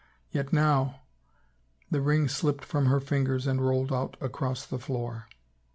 Yet now. ... The ring slipped from her fingers and rolled out across the floor.